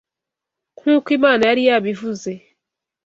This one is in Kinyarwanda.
Nk’uko Imana yari yabivuze